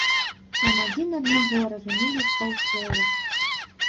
Там адзін аднаго разумелі з паўслова.